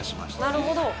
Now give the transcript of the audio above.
なるほど。